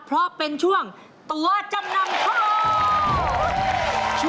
เพราะเป็นช่วงตัวจำนำโชค